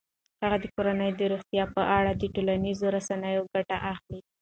هغه د کورنۍ د روغتیا په اړه د ټولنیزو رسنیو ګټه اخلي.